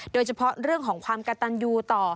โดยเฉพาะเรื่องของความกระตันยูต่อ